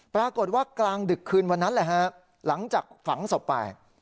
ปรากฏว่ากลางดึกคืนวันนั้นแหละฮะหลังจากฝังศพไป